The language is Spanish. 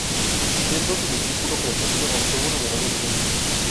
Siendo su discípulo preferido, obtuvo numerosos premios.